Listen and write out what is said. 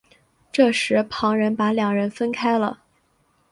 这时旁人把两人分开了。